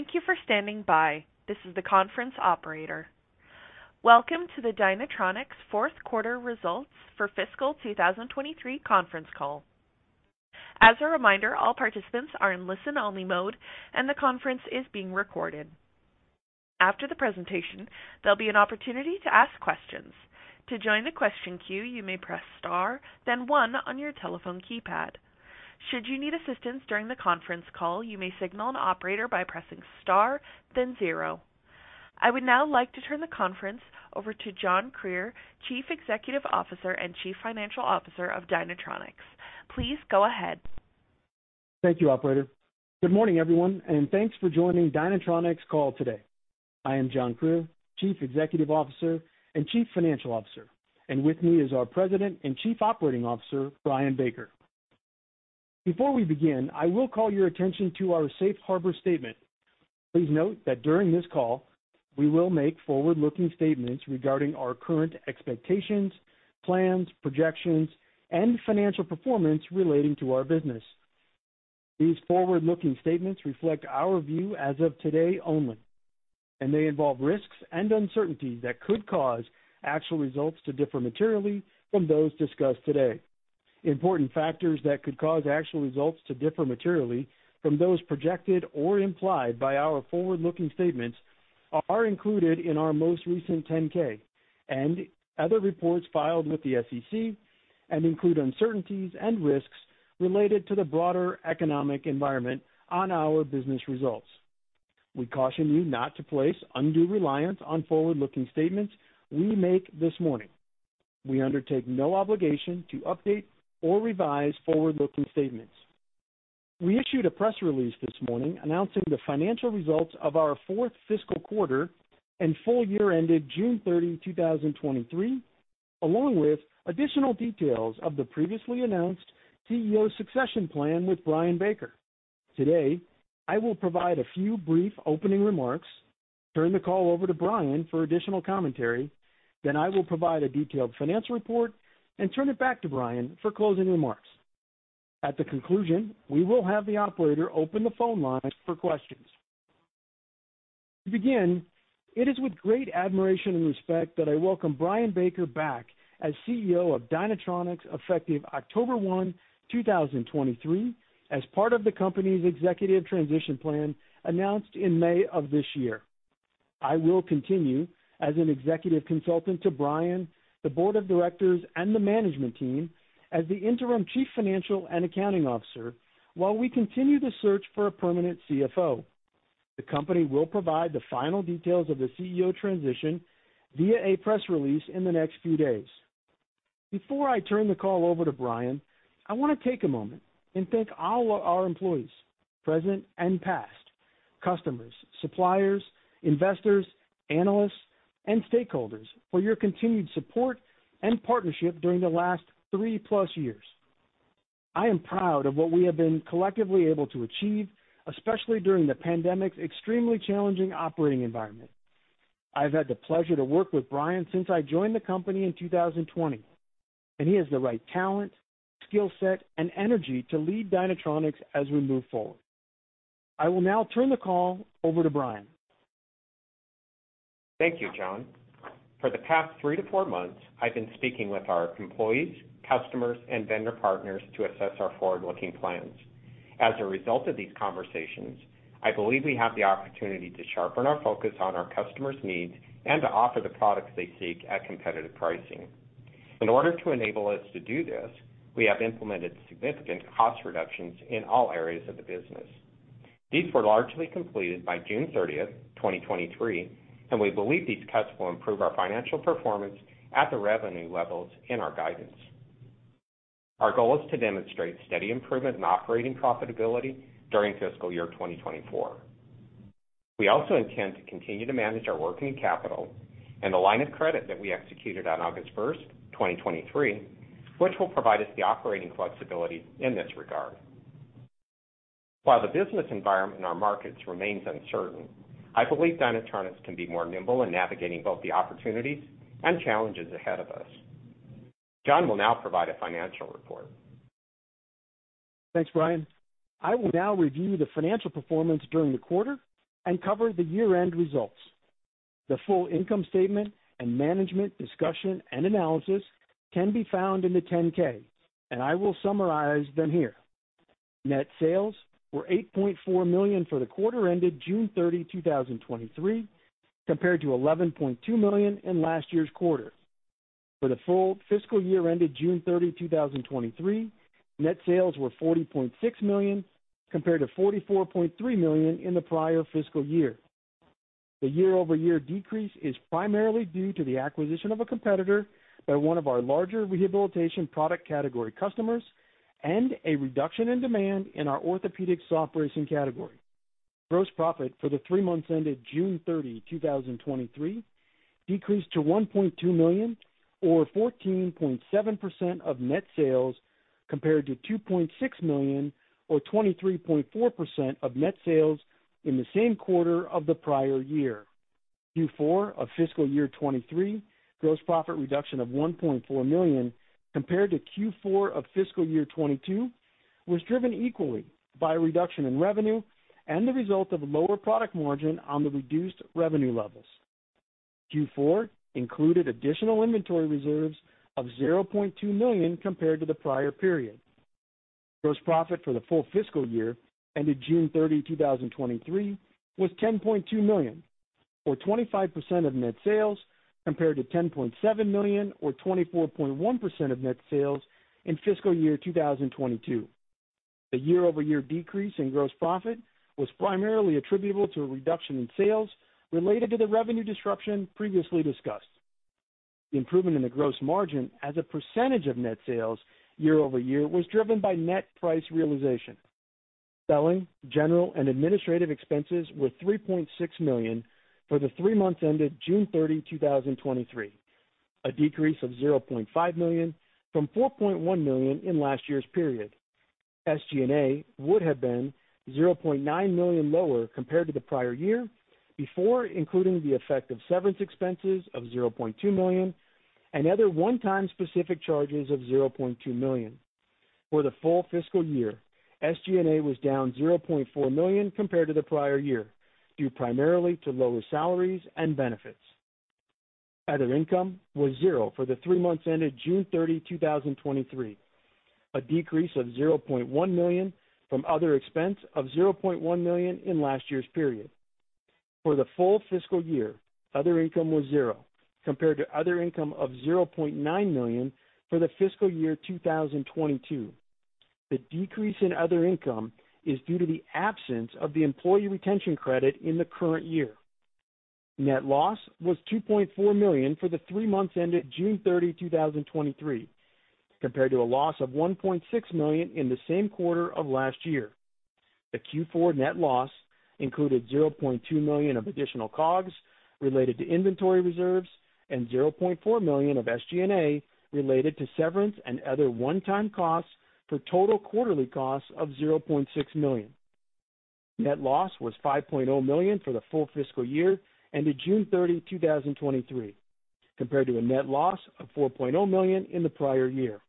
Thank you for standing by. This is the conference operator. Welcome to the Dynatronics Fourth Quarter Results for Fiscal 2023 conference call. As a reminder, all participants are in listen-only mode, and the conference is being recorded. After the presentation, there'll be an opportunity to ask questions. To join the question queue, you may press Star, then one on your telephone keypad. Should you need assistance during the conference call, you may signal an operator by pressing Star, then zero. I would now like to turn the conference over to John Krier, Chief Executive Officer and Chief Financial Officer of Dynatronics. Please go ahead. Thank you, operator. Good morning, everyone, and thanks for joining Dynatronics call today. I am John Krier, Chief Executive Officer and Chief Financial Officer, and with me is our President and Chief Operating Officer, Brian Baker. Before we begin, I will call your attention to our Safe Harbor statement. Please note that during this call, we will make forward-looking statements regarding our current expectations, plans, projections, and financial performance relating to our business. These forward-looking statements reflect our view as of today only, and they involve risks and uncertainties that could cause actual results to differ materially from those discussed today. Important factors that could cause actual results to differ materially from those projected or implied by our forward-looking statements are included in our most recent 10-K and other reports filed with the SEC, and include uncertainties and risks related to the broader economic environment on our business results. We caution you not to place undue reliance on forward-looking statements we make this morning. We undertake no obligation to update or revise forward-looking statements. We issued a press release this morning announcing the financial results of our fourth fiscal quarter and full year ended June 30, 2023, along with additional details of the previously announced CEO succession plan with Brian Baker. Today, I will provide a few brief opening remarks, turn the call over to Brian for additional commentary, then I will provide a detailed financial report and turn it back to Brian for closing remarks. At the conclusion, we will have the operator open the phone lines for questions. To begin, it is with great admiration and respect that I welcome Brian Baker back as CEO of Dynatronics, effective October 1, 2023, as part of the company's executive transition plan announced in May of this year. I will continue as an executive consultant to Brian, the board of directors and the management team as the Interim Chief Financial and Accounting Officer, while we continue the search for a permanent CFO. The company will provide the final details of the CEO transition via a press release in the next few days. Before I turn the call over to Brian, I want to take a moment and thank all of our employees, present and past, customers, suppliers, investors, analysts, and stakeholders for your continued support and partnership during the last three-plus years. I am proud of what we have been collectively able to achieve, especially during the pandemic's extremely challenging operating environment. I've had the pleasure to work with Brian since I joined the company in 2020, and he has the right talent, skill set, and energy to lead Dynatronics as we move forward. I will now turn the call over to Brian. Thank you, John. For the past three to four months, I've been speaking with our employees, customers, and vendor partners to assess our forward-looking plans. As a result of these conversations, I believe we have the opportunity to sharpen our focus on our customers' needs and to offer the products they seek at competitive pricing. In order to enable us to do this, we have implemented significant cost reductions in all areas of the business. These were largely completed by June 30th, 2023, and we believe these cuts will improve our financial performance at the revenue levels in our guidance. Our goal is to demonstrate steady improvement in operating profitability during fiscal year 2024. We also intend to continue to manage our working capital and the line of credit that we executed on August 1st, 2023, which will provide us the operating flexibility in this regard. While the business environment in our markets remains uncertain, I believe Dynatronics can be more nimble in navigating both the opportunities and challenges ahead of us. John will now provide a financial report. Thanks, Brian. I will now review the financial performance during the quarter and cover the year-end results. The full income statement and management discussion and analysis can be found in the 10-K, and I will summarize them here. Net sales were $8.4 million for the quarter ended June 30, 2023, compared to $11.2 million in last year's quarter. For the full fiscal year ended June 30, 2023, net sales were $40.6 million, compared to $44.3 million in the prior fiscal year. The year-over-year decrease is primarily due to the acquisition of a competitor by one of our larger rehabilitation product category customers and a reduction in demand in our orthopedic soft bracing category. Gross profit for the three months ended June 30, 2023, decreased to $1.2 million or 14.7% of net sales, compared to $2.6 million or 23.4% of net sales in the same quarter of the prior year.... Q4 of fiscal year 2023, gross profit reduction of $1.4 million compared to Q4 of fiscal year 2022, was driven equally by a reduction in revenue and the result of a lower product margin on the reduced revenue levels. Q4 included additional inventory reserves of $0.2 million compared to the prior period. Gross profit for the full fiscal year, ended June 30, 2023, was $10.2 million, or 25% of net sales, compared to $10.7 million or 24.1% of net sales in fiscal year 2022. The year-over-year decrease in gross profit was primarily attributable to a reduction in sales related to the revenue disruption previously discussed. The improvement in the gross margin as a percentage of net sales year-over-year was driven by net price realization. Selling, general, and administrative expenses were $3.6 million for the three months ended June 30, 2023, a decrease of $0.5 million from $4.1 million in last year's period. SG&A would have been $0.9 million lower compared to the prior year, before including the effect of severance expenses of $0.2 million and other one-time specific charges of $0.2 million. For the full fiscal year, SG&A was down $0.4 million compared to the prior year, due primarily to lower salaries and benefits. Other income was $0 for the three months ended June 30, 2023, a decrease of $0.1 million from other expense of $0.1 million in last year's period. For the full fiscal year, other income was zero, compared to other income of $0.9 million for the fiscal year 2022. The decrease in other income is due to the absence of the Employee Retention Credit in the current year. Net loss was $2.4 million for the three months ended June 30, 2023, compared to a loss of $1.6 million in the same quarter of last year. The Q4 net loss included $0.2 million of additional COGS related to inventory reserves and $0.4 million of SG&A related to severance and other one-time costs, for total quarterly costs of $0.6 million. Net loss was $5.0 million for the full fiscal year, ended June 30, 2023, compared to a net loss of $4.0 million in the prior year.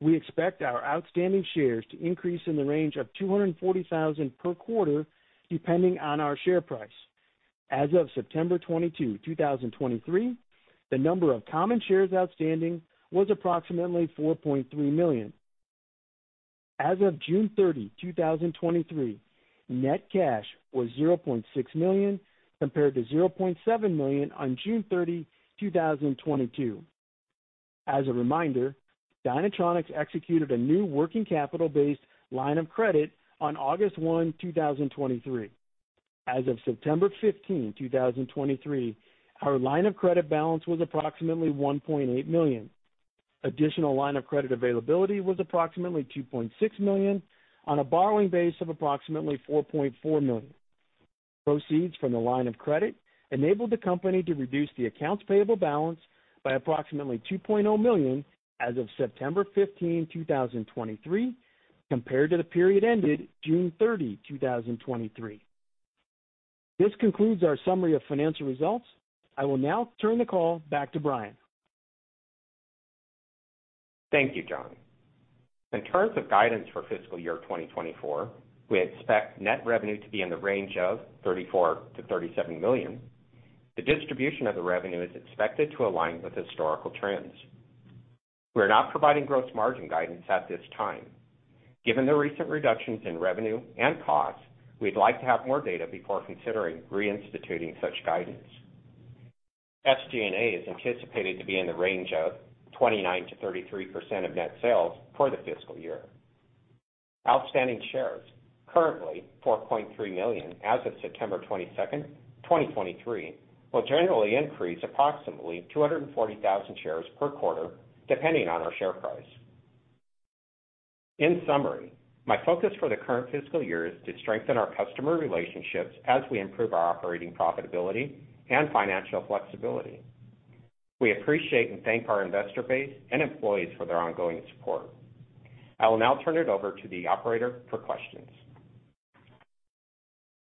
We expect our outstanding shares to increase in the range of 240,000 per quarter, depending on our share price. As of September 22, 2023, the number of common shares outstanding was approximately 4.3 million. As of June 30, 2023, net cash was $0.6 million, compared to $0.7 million on June 30, 2022. As a reminder, Dynatronics executed a new working capital-based line of credit on August 1, 2023. As of September 15, 2023, our line of credit balance was approximately $1.8 million. Additional line of credit availability was approximately $2.6 million on a borrowing base of approximately $4.4 million. Proceeds from the line of credit enabled the company to reduce the accounts payable balance by approximately $2.0 million as of September 15, 2023, compared to the period ended June 30, 2023. This concludes our summary of financial results. I will now turn the call back to Brian. Thank you, John. In terms of guidance for fiscal year 2024, we expect net revenue to be in the range of $34 million-$37 million. The distribution of the revenue is expected to align with historical trends. We're not providing gross margin guidance at this time. Given the recent reductions in revenue and costs, we'd like to have more data before considering reinstituting such guidance. SG&A is anticipated to be in the range of 29%-33% of net sales for the fiscal year. Outstanding shares, currently $4.3 million as of September 22nd, 2023, will generally increase approximately 240,000 shares per quarter, depending on our share price. In summary, my focus for the current fiscal year is to strengthen our customer relationships as we improve our operating profitability and financial flexibility. We appreciate and thank our investor base and employees for their ongoing support. I will now turn it over to the operator for questions.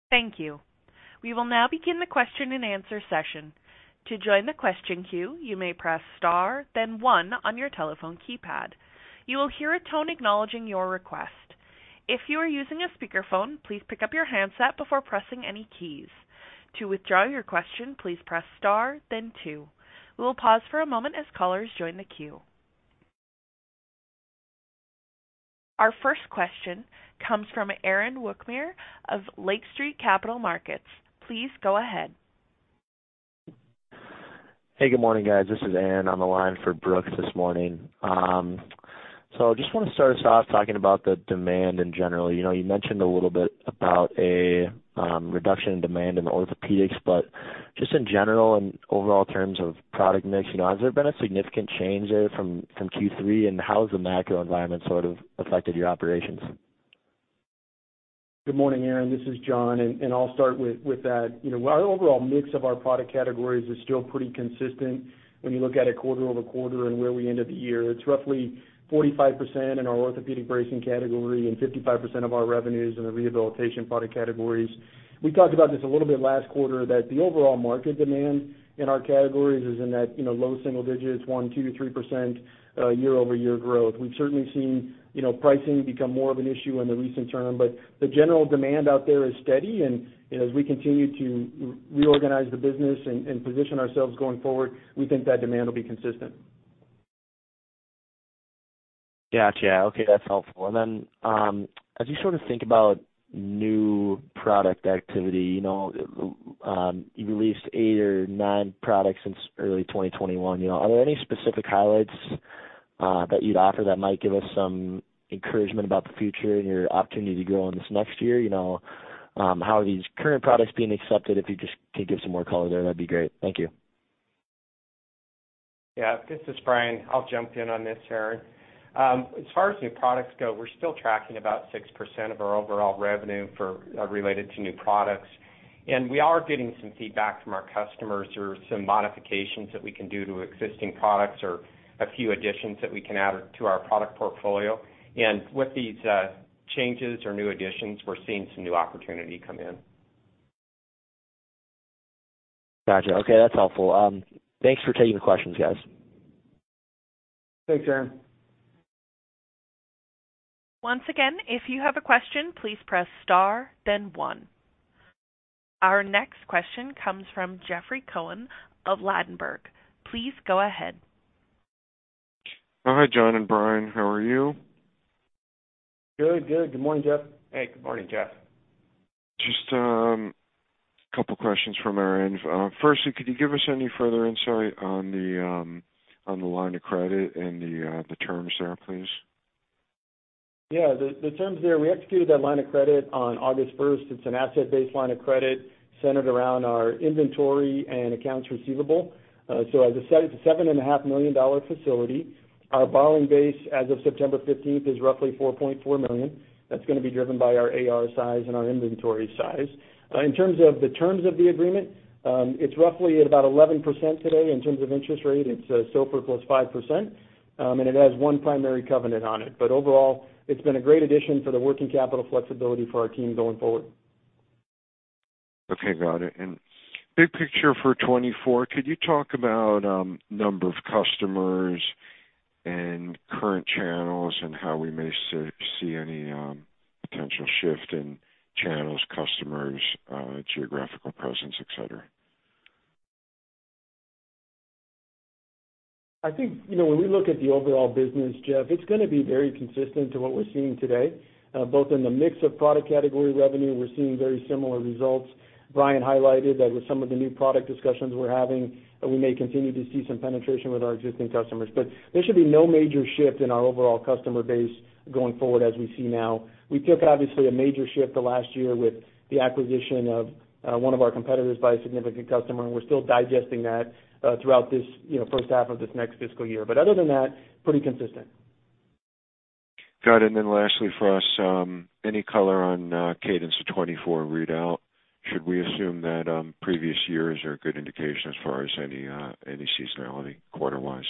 Thank you. We will now begin the question-and-answer session. To join the question queue, you may press Star, then one on your telephone keypad. You will hear a tone acknowledging your request. If you are using a speakerphone, please pick up your handset before pressing any keys. To withdraw your question, please press Star then two. We will pause for a moment as callers join the queue. Our first question comes from Aaron Wukmir of Lake Street Capital Markets. Please go ahead. Hey, good morning, guys. This is Aaron on the line for Brooks this morning. So just want to start us off talking about the demand in general. You know, you mentioned a little bit about a reduction in demand in orthopedics, but just in general and overall terms of product mix, you know, has there been a significant change there from Q3, and how has the macro environment sort of affected your operations?... Good morning, Aaron, this is John, and I'll start with that. You know, our overall mix of our product categories is still pretty consistent when you look at it quarter over quarter and where we end of the year. It's roughly 45% in our orthopedic bracing category and 55% of our revenues in the rehabilitation product categories. We talked about this a little bit last quarter, that the overall market demand in our categories is in that, you know, low single digits, 1, 2-3%, year-over-year growth. We've certainly seen, you know, pricing become more of an issue in the recent term, but the general demand out there is steady, and as we continue to reorganize the business and position ourselves going forward, we think that demand will be consistent. Gotcha. Okay, that's helpful. And then, as you sort of think about new product activity, you know, you released eight or nine products since early 2021. You know, are there any specific highlights that you'd offer that might give us some encouragement about the future and your opportunity to grow in this next year? You know, how are these current products being accepted? If you just could give some more color there, that'd be great. Thank you. Yeah. This is Brian. I'll jump in on this, Aaron. As far as new products go, we're still tracking about 6% of our overall revenue for related to new products. And we are getting some feedback from our customers or some modifications that we can do to existing products or a few additions that we can add to our product portfolio. And with these changes or new additions, we're seeing some new opportunity come in. Gotcha. Okay, that's helpful. Thanks for taking the questions, guys. Thanks, Aaron. Once again, if you have a question, please press Star, then One. Our next question comes from Jeffrey Cohen of Ladenburg. Please go ahead. Hi, John and Brian. How are you? Good. Good. Good morning, Jeff. Hey, good morning, Jeff. Just, a couple questions from our end. Firstly, could you give us any further insight on the line of credit and the terms there, please? Yeah, the terms there, we executed that line of credit on August first. It's an asset-based line of credit centered around our inventory and accounts receivable. So as I said, it's a $7.5 million facility. Our borrowing base as of September 15 is roughly $4.4 million. That's gonna be driven by our AR size and our inventory size. In terms of the terms of the agreement, it's roughly at about 11% today in terms of interest rate. It's SOFR + 5%, and it has one primary covenant on it. But overall, it's been a great addition for the working capital flexibility for our team going forward. Okay, got it. Big picture for 2024, could you talk about number of customers and current channels and how we may see any potential shift in channels, customers, geographical presence, et cetera? I think, you know, when we look at the overall business, Jeff, it's gonna be very consistent to what we're seeing today, both in the mix of product category revenue, we're seeing very similar results. Brian highlighted that with some of the new product discussions we're having, we may continue to see some penetration with our existing customers. But there should be no major shift in our overall customer base going forward as we see now. We took, obviously, a major shift the last year with the acquisition of one of our competitors by a significant customer, and we're still digesting that throughout this, you know, first half of this next fiscal year. Other than that, pretty consistent. Got it. Then lastly, for us, any color on cadence of 2024 readout, should we assume that previous years are a good indication as far as any seasonality quarter-wise?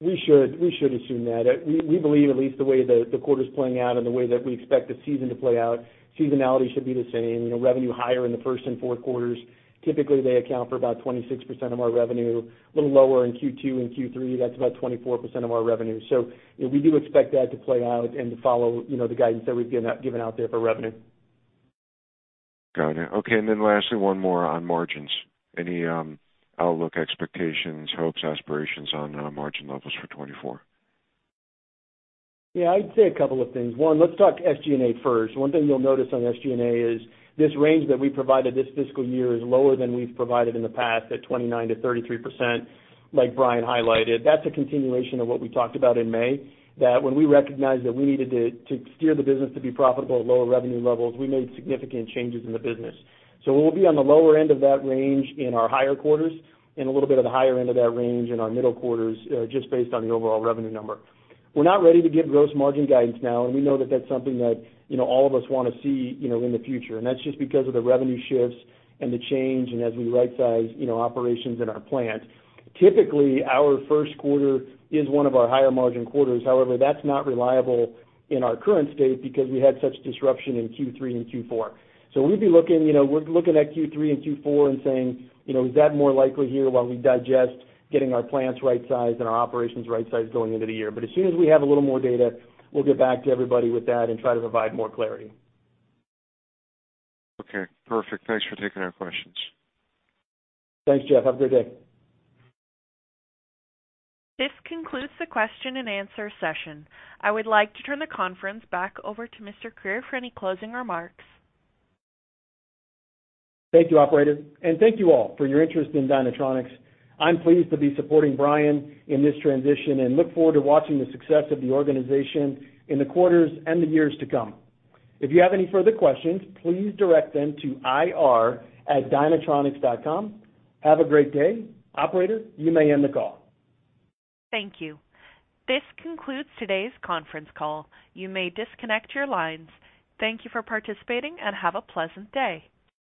We should assume that. We believe, at least the way the quarter's playing out and the way that we expect the season to play out, seasonality should be the same. You know, revenue higher in the first and fourth quarters. Typically, they account for about 26% of our revenue. A little lower in Q2 and Q3, that's about 24% of our revenue. So we do expect that to play out and to follow, you know, the guidance that we've given out there for revenue. Got it. Okay, and then lastly, one more on margins. Any, outlook, expectations, hopes, aspirations on, margin levels for 2024? Yeah, I'd say a couple of things. One, let's talk SG&A first. One thing you'll notice on SG&A is this range that we provided this fiscal year is lower than we've provided in the past, at 29%-33%. Like Brian highlighted, that's a continuation of what we talked about in May, that when we recognized that we needed to steer the business to be profitable at lower revenue levels, we made significant changes in the business. So we'll be on the lower end of that range in our higher quarters and a little bit of the higher end of that range in our middle quarters, just based on the overall revenue number. We're not ready to give gross margin guidance now, and we know that that's something that, you know, all of us wanna see, you know, in the future, and that's just because of the revenue shifts and the change and as we rightsize, you know, operations in our plant. Typically, our first quarter is one of our higher margin quarters. However, that's not reliable in our current state because we had such disruption in Q3 and Q4. So we'd be looking, you know, we're looking at Q3 and Q4 and saying, you know, is that more likely here while we digest getting our plants right-sized and our operations right-sized going into the year? But as soon as we have a little more data, we'll get back to everybody with that and try to provide more clarity. Okay, perfect. Thanks for taking our questions. Thanks, Jeff. Have a great day. This concludes the question and answer session. I would like to turn the conference back over to Mr. Krier for any closing remarks. Thank you, operator, and thank you all for your interest in Dynatronics. I'm pleased to be supporting Brian in this transition and look forward to watching the success of the organization in the quarters and the years to come. If you have any further questions, please direct them to ir@dynatronics.com. Have a great day. Operator, you may end the call. Thank you. This concludes today's conference call. You may disconnect your lines. Thank you for participating and have a pleasant day.